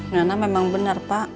nana memang benar pak